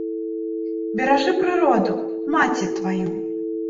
Беражы прыроду, маці тваю!